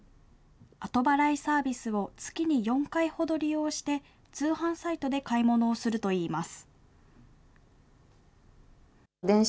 後払いサービスを月に４回ほど利用して、通販サイトで買い物をするといいます。